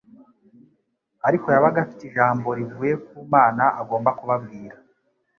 ariko yabaga afite ijambo rivuye ku Mana agomba kubabwira